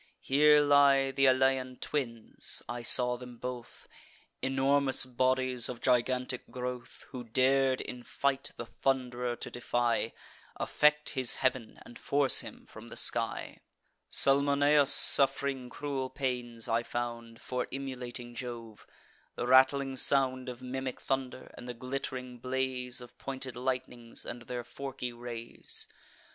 Here lie th' Alaean twins, (I saw them both,) Enormous bodies, of gigantic growth, Who dar'd in fight the Thund'rer to defy, Affect his heav'n, and force him from the sky. Salmoneus, suff'ring cruel pains, I found, For emulating Jove; the rattling sound Of mimic thunder, and the glitt'ring blaze Of pointed lightnings, and their forky rays.